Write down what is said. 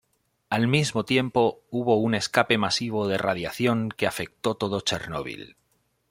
Al mismo tiempo hubo un escape masivo de radiación que afecto todo Chernobyl.